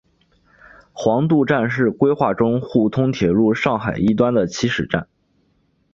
黄渡站是规划中沪通铁路上海一端的起始站。